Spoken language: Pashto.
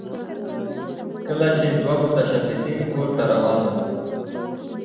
کله چې دوه متشبثین کور ته روان وو